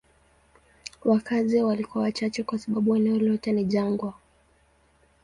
Wakazi walikuwa wachache kwa sababu eneo lote ni jangwa.